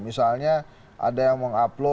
misalnya ada yang mengupload tentang